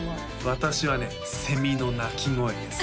私はねセミの鳴き声です